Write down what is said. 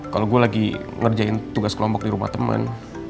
kalau gue lagi ngerjain tugas kelompok di rumah teman